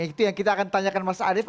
itu yang kita akan tanyakan mas arief